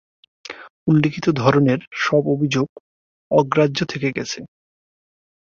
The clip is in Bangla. উল্লিখিত ধরনের সব অভিযোগ অগ্রাহ্য থেকে গেছে।